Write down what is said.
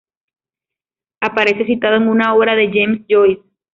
Aparece citado en una obra de James Joyce.